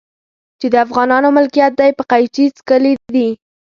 چې د افغانانو ملکيت دی په قيچي څکلي دي.